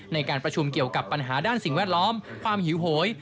ในการประชุมเกี่ยวกับปัญหาด้านสิ่งแวดล้อมความหิวโหย